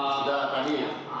sudah tadi ya